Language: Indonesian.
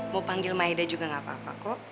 mau panggil maida juga gak apa apa kok